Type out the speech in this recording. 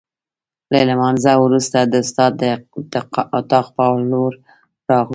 له لمانځه وروسته د استاد د اتاق په لور راغلو.